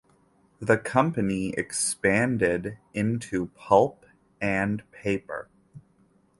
The company expanded into pulp and paper.